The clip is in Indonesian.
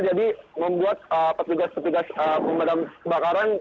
jadi membuat petugas petugas pemadaman kebakaran